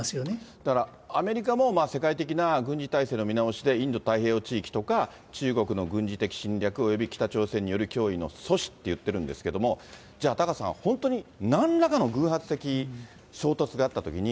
だから、アメリカも世界的な軍事体制の見直しで、インド太平洋地域とか、中国の軍事的侵略および北朝鮮による脅威の阻止っていってるんですけども、じゃあタカさん、本当になんらかの偶発的衝突があったときに、